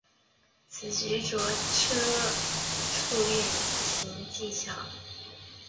此局着重车卒运用技巧。